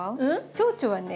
チョウチョはね